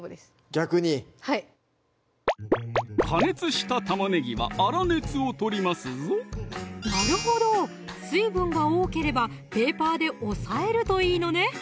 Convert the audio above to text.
逆にはい加熱した玉ねぎは粗熱を取りますぞなるほど水分が多ければペーパーで押さえるといいのね